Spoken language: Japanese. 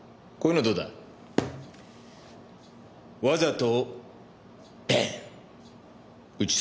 わざと？